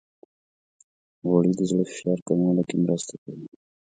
غوړې د زړه د فشار کمولو کې مرسته کوي.